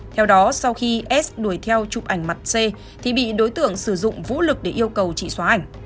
theo đó sau khi s đuổi theo chụp ảnh mặt c thì bị đối tượng sử dụng vũ lực để yêu cầu chị xóa ảnh